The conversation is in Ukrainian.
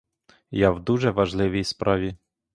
Я в дуже важливій справі.